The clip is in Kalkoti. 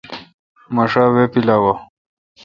مہ شا وہ پلاوہ۔